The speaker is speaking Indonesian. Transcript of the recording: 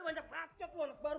apa lo mau jadi jagoan disini